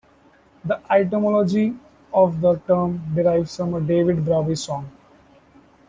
The etymology of the term derives from a David Bowie song.